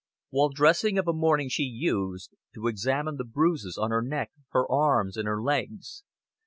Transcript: While dressing of a morning she used to examine the bruises on her neck, her arms, and her legs.